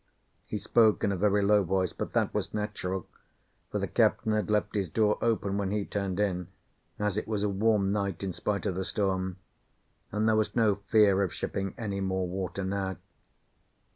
He spoke in a very low voice, but that was natural, for the captain had left his door open when he turned in, as it was a warm night in spite of the storm, and there was no fear of shipping any more water now.